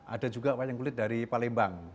ada juga wayang kulit dari palembang